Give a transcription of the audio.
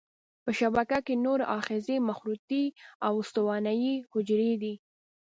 په شبکیه کې نوري آخذې مخروطي او استوانه یي حجرې دي.